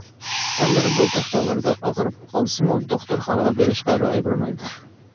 ئەرلەر بويتاق چاغلىرىدا ئاغرىپ قالسىمۇ دوختۇرخانىغا بېرىشقا رايى بارمايدۇ.